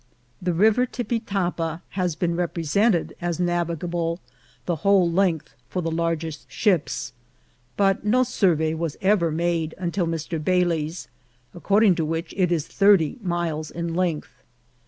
The River Tipitapa has been rep resented as navigable the whole length for the largest ships ; but no survey was ever made until Mr. Bailey's, according to which it is thirty miles in length.